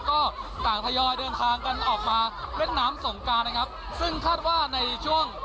ก็ต่างทยอยเดินทางกันออกมาเล่นน้ำสงการนะครับซึ่งคาดว่าในช่วง